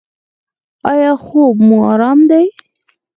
ایا خوب مو ارام دی؟